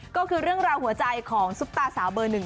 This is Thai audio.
ก็คือเรื่องราวหัวใจของซุปตาสาวเบอร์หนึ่ง